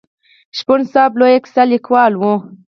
شپون صاحب لوی کیسه لیکوال و.